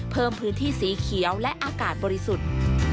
เพิ่มพื้นที่สีเขียวและอากาศบริสุทธิ์